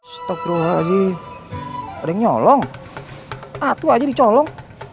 stop berulang aja ada yang nyolong atuh aja dicolong